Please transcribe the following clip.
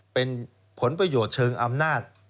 เป็นผลประโยชน์เชิงอำนาจ